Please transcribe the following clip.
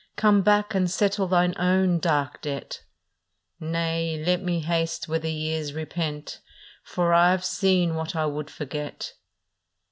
Come back and settle thine own dark debt." " Nay, let me haste where the years repent, For I ve seen what I would forget."